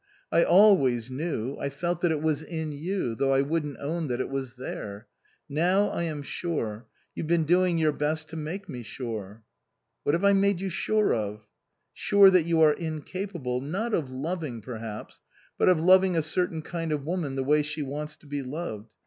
I always knew, I felt that it was in you, though I wouldn't own that it was there. Now I am sure. You've been doing your best to make me sure." " What have I made you sure of ?" "Sure that you are incapable, not of loving perhaps, but of loving a certain kind of woman the way she wants to be loved.